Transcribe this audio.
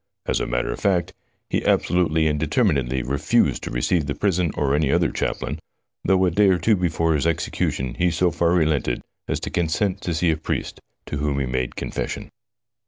As a matter of fact, he absolutely and determinedly refused to receive the prison or any other chaplain, though a day or two before his execution he so far relented as to consent to see a priest, to whom he made confession.